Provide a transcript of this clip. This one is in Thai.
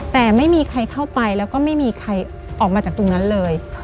แต่ไม่มีใครเข้าไปแล้วก็ไม่มีใครออกมาจากตรงนั้นเลย